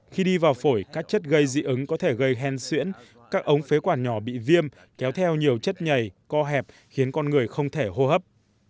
khi đi vào phổi các chất gây dị ứng có thể gây hen xuyễn các ống phế quản nhỏ bị viêm kéo theo nhiều chất nhầy co hẹp khiến con người không thể hô hấp